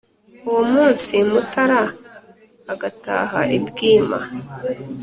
uwo munsi mutára agataha i bwíma